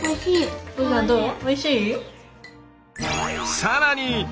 さらに！